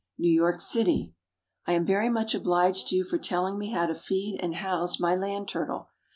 NEW YORK CITY. I am very much obliged to you for telling me how to feed and house my land turtle.